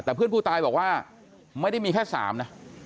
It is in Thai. แต่เพื่อนผู้ตายบอกว่าไม่ได้มีแค่๓นะ